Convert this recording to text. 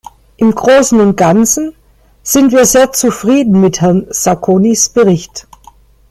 Im Großen und Ganzen sind wir sehr zufrieden mit Herrn Sacconis Bericht.